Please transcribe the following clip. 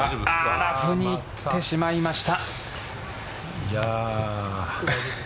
ラフにいってしまいました。